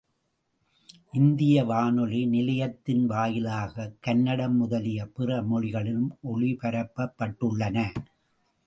இந்திய வானொலி நிலையத்தின் வாயிலாகக் கன்னடம் முதலிய பிறமொழிகளிலும் ஒலிபரப்பப்பட்டுள்ளன.